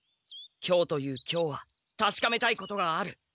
今日という今日はたしかめたいことがある。